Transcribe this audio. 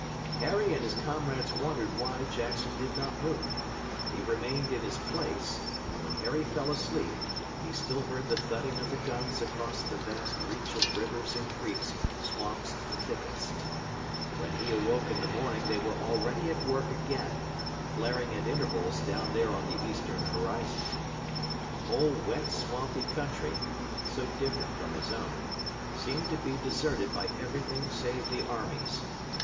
Harry and his comrades wondered why Jackson did not move, but he remained in his place, and when Harry fell asleep he still heard the thudding of the guns across the vast reach of rivers and creeks, swamps and thickets. When he awoke in the morning they were already at work again, flaring at intervals down there on the eastern horizon. The whole wet, swampy country, so different from his own, seemed to be deserted by everything save the armies.